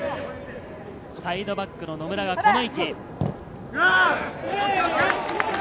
サイドバックの野村がこの位置。